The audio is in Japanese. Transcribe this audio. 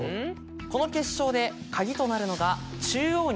この決勝で鍵となるのが。